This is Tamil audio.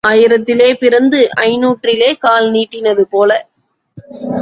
ஆயிரத்திலே பிறந்து ஐந்நூற்றிலே கால் நீட்டினது போல.